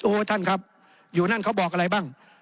โอ้โหท่านครับอยู่นั่นเขาบอกอะไรบ้าง